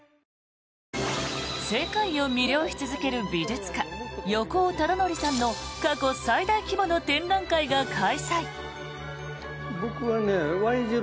世界を魅了し続ける美術家横尾忠則さんの過去最大規模の展覧会が開催！